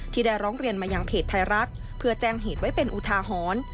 ได้ร้องเรียนมายังเพจไทยรัฐเพื่อแจ้งเหตุไว้เป็นอุทาหรณ์